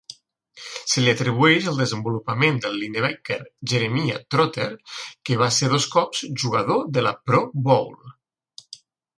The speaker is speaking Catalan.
Se li atribueix el desenvolupament del linebacker Jeremiah Trotter que va ser dos cops jugador de la Pro Bowl.